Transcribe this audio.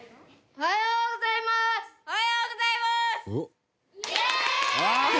おはようございます！